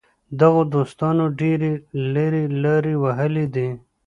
دغو دوستانو ډېرې لرې لارې وهلې دي.